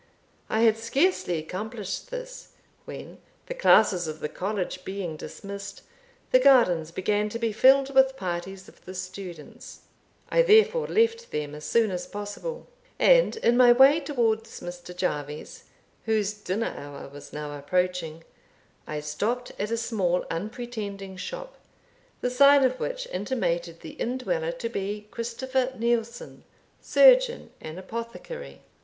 I had scarcely accomplished this, when, the classes of the college being dismissed, the gardens began to be filled with parties of the students. I therefore left them as soon as possible; and in my way towards Mr. Jarvie's, whose dinner hour was now approaching, I stopped at a small unpretending shop, the sign of which intimated the indweller to be Christopher Neilson, surgeon and apothecary.